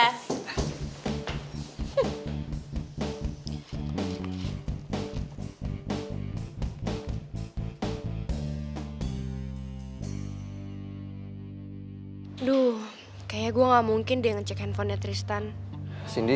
hai duh kayaknya gua nggak mungkin deh ngecek handphonenya tristan cindy